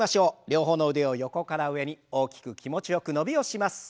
両方の腕を横から上に大きく気持ちよく伸びをします。